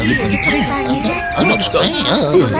oh seperti ini ceritanya